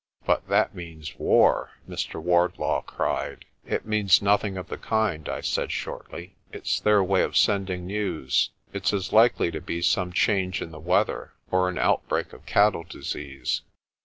"But that means war," Mr. Wardlaw cried. "It means nothing of the kind," I said shortly. "It's their way of sending news. It's as likely to be some change in the weather or an outbreak of cattle disease."